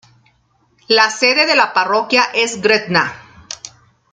La sede de la parroquia es Gretna.